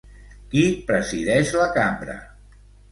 Qui presideix la cambra?